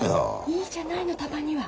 いいじゃないのたまには。